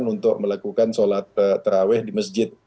untuk melakukan sholat terawih di masjid